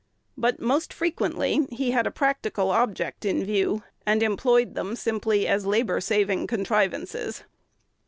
But most frequently he had a practical object in view, and employed them simply "as labor saving contrivances."